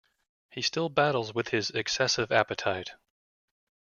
He still battles with his excessive appetite.